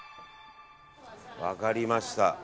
分かりました。